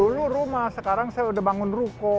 dulu rumah sekarang saya udah bangun ruko